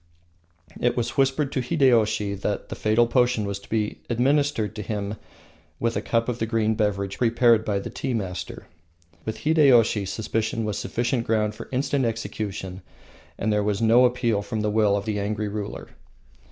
It was whispered to Hideyoshi that the fatal potion was to be administered to him with a cup of the green beverage prepared by the tea master. With Hideyoshi suspicion was sufficient ground for instant execution, and there was no appeal from the will of the angry ruler.